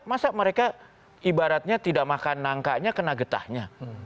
masa mereka ibaratnya tidak makan nangkanya kena getahnya